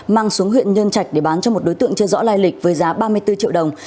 mang xuống huyện nhân trạch để bán cho một đối tượng chưa rõ lai lịch với giá ba mươi bốn triệu đồng